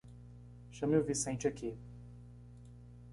Chame o Vicente aqui!